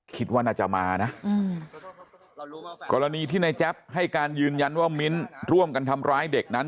คิดว่าน่าจะมานะกรณีที่ในแจ๊บให้การยืนยันว่ามิ้นร่วมกันทำร้ายเด็กนั้น